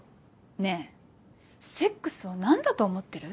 ねえセックスを何だと思ってる？